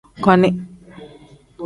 Koni.